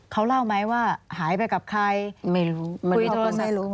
เขาเล่าไหมว่าหายไปกับใครไม่รู้